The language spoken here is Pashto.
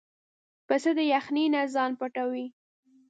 پسه د یخنۍ نه ځان پټوي.